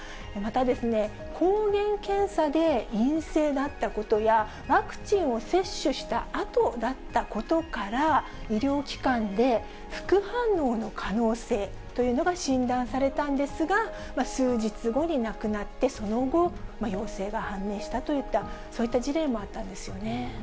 また、抗原検査で陰性だったことや、ワクチンを接種したあとだったことから、医療機関で副反応の可能性というのが診断されたんですが、数日後に亡くなって、その後、陽性が判明したといった、そういった事例もあったんですよね。